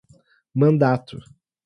mandato